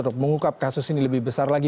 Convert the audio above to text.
untuk mengungkap kasus ini lebih besar lagi